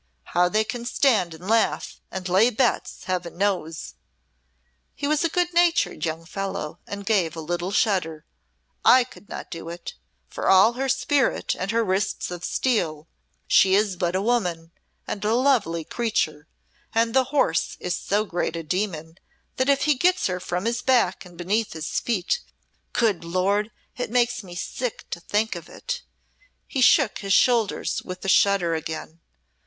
How they can stand and laugh, and lay bets, Heaven knows!" He was a good natured young fellow and gave a little shudder. "I could not do it. For all her spirit and her wrists of steel, she is but a woman and a lovely creature, and the horse is so great a demon that if he gets her from his back and beneath his feet good Lord! it makes me sick to think of it." He shook his shoulders with a shudder again.